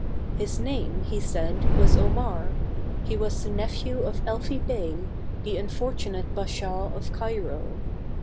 His name, he said, was Omar ; he was the nephew of Elfi Bey, the unfortunate Bashaw of Cairo.